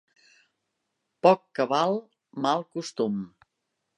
Poc cabal, mal costum.